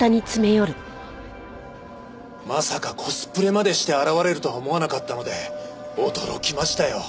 まさかコスプレまでして現れるとは思わなかったので驚きましたよ。